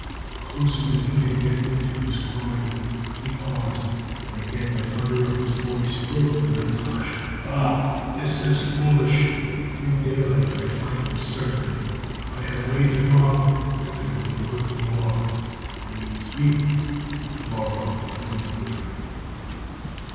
Closer than he had yet been to his quarry, he paused, and again the thunder of his voice broke the night's hush. "Bah! This is foolish! In daylight I find him certainly. I have waited long; I can wait a little more. I need sleep. To morrow, it will be different!"